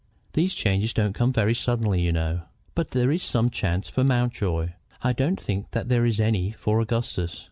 "These changes don't come very suddenly, you know. But there is some chance for Mountjoy. I don't think that there is any for Augustus."